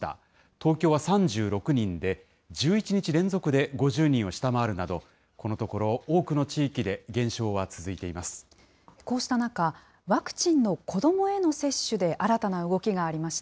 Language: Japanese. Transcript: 東京は３６人で、１１日連続で５０人を下回るなど、このところ多くの地域で減少は続いています。